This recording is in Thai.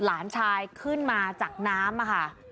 หลานชายขึ้นมาจากน้ำค่ะ